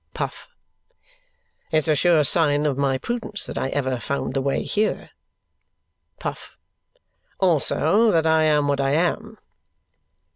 Puff. "It's a sure sign of my prudence that I ever found the way here." Puff. "Also, that I am what I am."